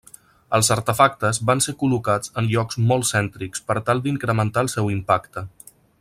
Els artefactes van ser col·locats en llocs molt cèntrics per tal d'incrementar el seu impacte.